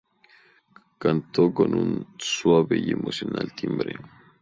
Canto con un suave y emocional timbre.